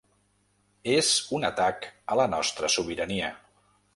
És un atac a la nostra sobirania.